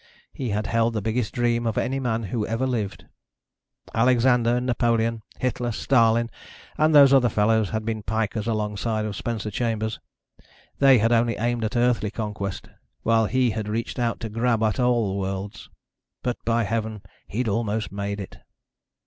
He had held the biggest dream of any man who ever lived. Alexander and Napoleon, Hitler, Stalin and those other fellows had been pikers alongside of Spencer Chambers. They had only aimed at Earthly conquest while he had reached out to grab at all the worlds. But by heaven, he'd almost made it!